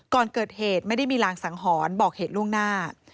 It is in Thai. ก่อนเกิดเหตุไม่ได้มีรางสังหรณ์บอกเหตุล่วงหน้า